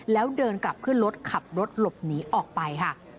แล้วเดินกลับขึ้นรถขับรถหลบหนีออกไปค่ะ